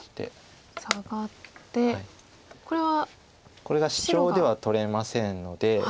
これがシチョウでは取れませんので。